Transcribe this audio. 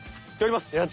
やります。